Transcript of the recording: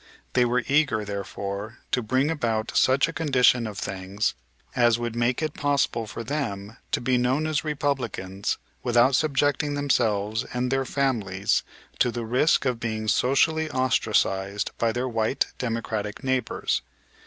They were eager, therefore, to bring about such a condition of things as would make it possible for them to be known as Republicans without subjecting themselves and their families to the risk of being socially ostracized by their white Democratic neighbors.